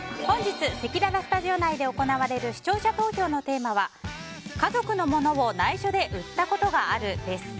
本日、せきららスタジオ内で行われる視聴者投票のテーマは家族のモノを内緒で売ったことがある、です。